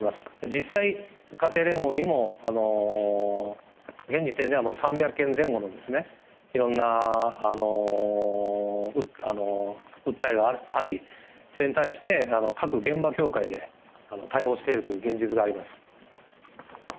実際、家庭連合にも、現時点ではもう３００件前後の、いろんな訴えがあり、それに対して、各現場教会で対応しているという現実があります。